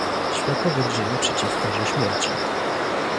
Światowy Dzień przeciw Karze Śmierci